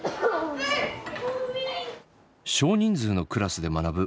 少人数のクラスで学ぶ